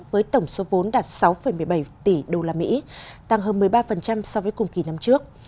với tổng số vốn đạt sáu một mươi bảy tỷ usd tăng hơn một mươi ba so với cùng kỳ năm trước